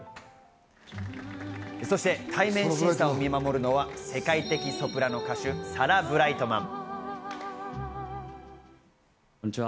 そして対面審査を見守るのは世界的ソプラノ歌手サラ・ブライトマン。